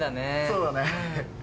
そうだね。